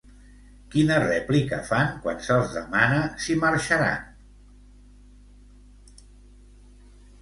Quina rèplica fan quan se'ls demana si marxaran?